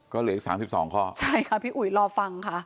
ก็เหลืออีก๓๒ข้อใช่ค่ะพี่อุ๋ยรอฟังค่ะ